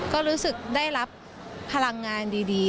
ก็รู้สึกได้รับพลังงานดี